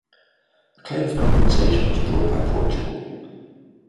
A claim for compensation was brought by Portugal.